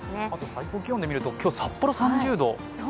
最高気温で見ると、今日、札幌が３０度。